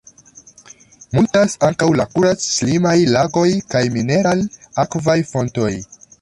Multas ankaŭ la kurac-ŝlimaj lagoj kaj mineral-akvaj fontoj.